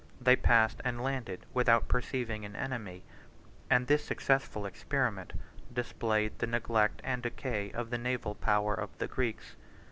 They passed and landed without perceiving an enemy; and this successful experiment displayed the neglect and decay of the naval power of the Greeks.